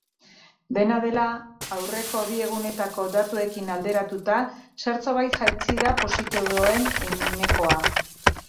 Dena dela, aurreko bi egunetako datuekin alderatuta zertxobait jaitsi da positiboen ehunekoa.